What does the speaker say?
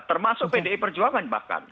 termasuk pdi perjuangan bahkan